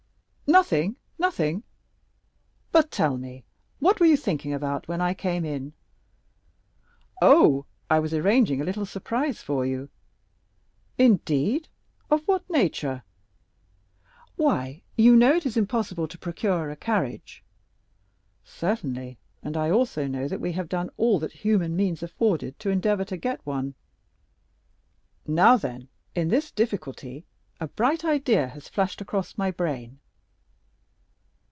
"Nothing, nothing. But tell me, what were you thinking about when I came in?" "Oh, I was arranging a little surprise for you." "Indeed. Of what nature?" "Why, you know it is quite impossible to procure a carriage." "Certainly; and I also know that we have done all that human means afforded to endeavor to get one." "Now, then, in this difficulty a bright idea has flashed across my brain."